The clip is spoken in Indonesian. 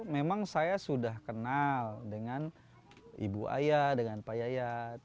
memang saya sudah kenal dengan ibu ayah dengan pak yayat